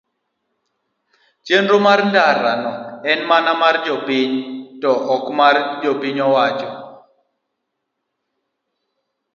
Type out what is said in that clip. chenro mar ndara no en mana mar jopiny to ok mar piny owacho.